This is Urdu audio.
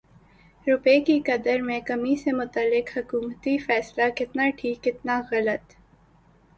روپے کی قدر میں کمی سے متعلق حکومتی فیصلہ کتنا ٹھیک کتنا غلط